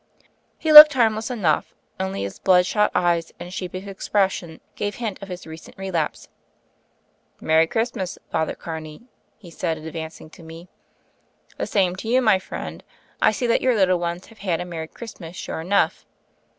He looked harmless enough: only his blood shot eyes and sheepish expression gave hint of his recent relapse. "Merry Christmas, Father Carney," he said, advancing to meet me. "The same to you, my friend. I see that your little ones have had! a merry Christmas, sure enough."